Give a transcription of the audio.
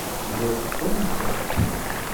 Telliḍ teqqummceḍ.